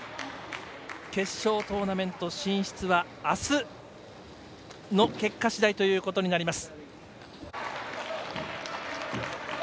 決勝トーナメント進出はあすの結果しだいということになります。